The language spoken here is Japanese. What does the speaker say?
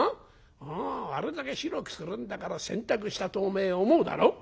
あれだけ白くするんだから洗濯したとおめえ思うだろ？」。